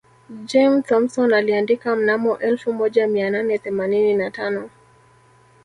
Jim Thompson aliandika mnamo elfu moja mia nane themanini na tano